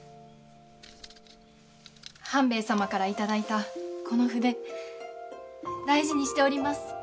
半兵衛様から頂いたこの筆大事にしております。